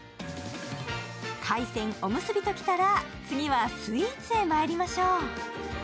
海鮮、おむすびときたら次はスイーツへまいりましょう。